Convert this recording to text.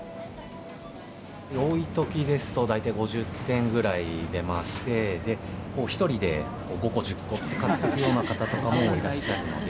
多いときですと、大体５０点ぐらい出まして、で、１人で５個、１０個って買っていくような方とかもいらっしゃるので。